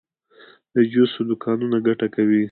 د جوسو دکانونه ګټه کوي؟